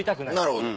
なるほど。